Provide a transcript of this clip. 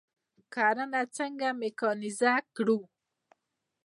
کرنه څنګه میکانیزه کړو؟